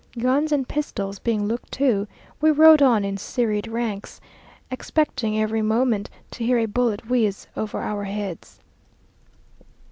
Guns and pistols being looked to, we rode on in serried ranks, expecting every moment to hear a bullet whizz over our heads.